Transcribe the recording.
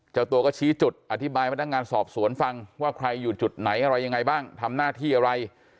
เจ้าตัวก็ชี้จุดอธิบายพนักงานสอบสวนฟังว่าใครอยู่จุดไหนอะไรยังไงบ้างทำหน้าที่อะไร